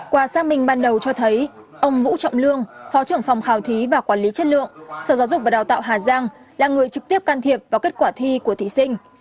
qua xác minh ban đầu cho thấy ông vũ trọng lương phó trưởng phòng khảo thí và quản lý chất lượng sở giáo dục và đào tạo hà giang là người trực tiếp can thiệp vào kết quả thi của thí sinh